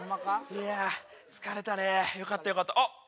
いや疲れたねよかったよかったあっ